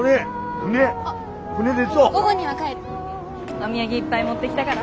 お土産いっぱい持ってきたから。